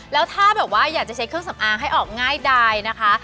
แล้วถ้าแบบว่าอยากจะใช้เครื่องสำอางให้ออกง่ายดายนะคะ